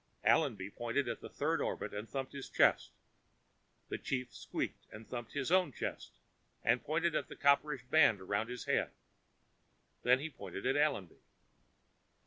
Allenby pointed at the third orbit and thumped his chest. The chief squeaked and thumped his own chest and pointed at the copperish band around his head. Then he pointed at Allenby.